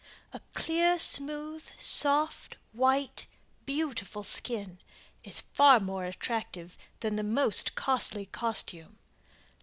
A clear, smooth, soft, white, beautiful skin is far more attractive than the most costly costume.